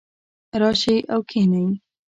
راشئ او کښېنئ